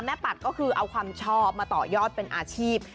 ปัดก็คือเอาความชอบมาต่อยอดเป็นอาชีพ